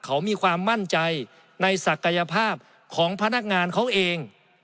เขามีความมั่นใจในศักยภาพของพนักงานเขาเอง